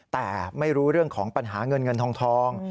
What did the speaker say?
แต่ไม่รู้เรื่องของปัญหาเงินเงินทอง